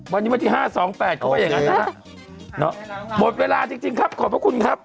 วันนี้วันที่๕๒๘เขาว่าอย่างนั้นนะฮะหมดเวลาจริงครับขอบพระคุณครับ